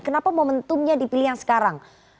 kenapa momentumnya dipilih yang sekarang